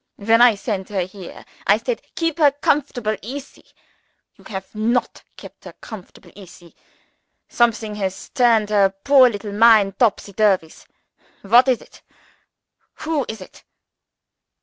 "When I sent her here, I said 'Keep her comfortable easy.' You have not kept her comfortable easy. Something has turned her poor little mind topsy turvies. What is it? Who is it?"